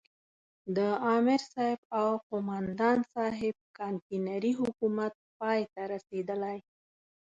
د امرصاحب او قوماندان صاحب کانتينري حکومت پای ته رسېدلی.